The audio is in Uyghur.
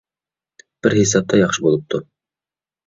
بىر ھېسابتا ياخشى بولۇپتۇ.